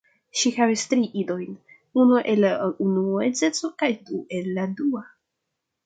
Ŝi havis tri idojn: unu el la unua edzeco kaj du el la dua.